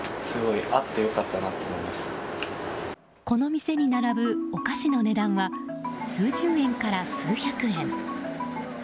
この店に並ぶお菓子の値段は数十円から数百円。